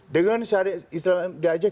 dengan sejarah islam di aceh